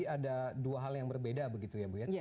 ada dua hal yang berbeda begitu ya bu ya